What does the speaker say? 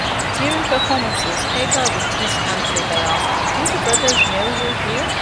During performances, Hagar would tease Anthony by asking, "Do the brothers know you're here?".